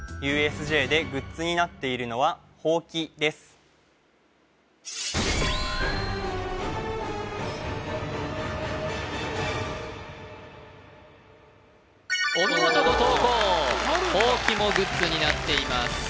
ＵＳＪでグッズになっているのはお見事後藤弘箒もグッズになっています